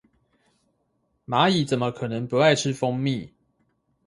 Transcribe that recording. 螞蟻怎麼可能不愛吃蜂蜜